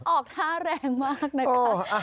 ออกท่าแรงมากนะคะ